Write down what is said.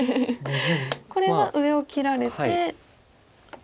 これは上を切られて。